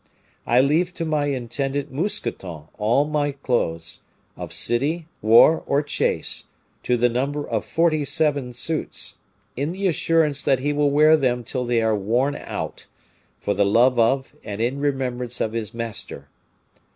I leave to my intendant Mousqueton all of my clothes, of city, war, or chase, to the number of forty seven suits, in the assurance that he will wear them till they are worn out, for the love of and in remembrance of his master.